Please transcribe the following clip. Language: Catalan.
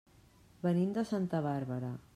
Venim de Santa Bàrbara.